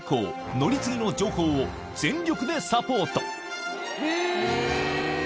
乗り継ぎの情報を全力でサポートへぇ。